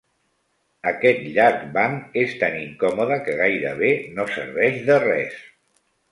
Aquest llarg banc és tan incòmode que gairebé no serveix de res.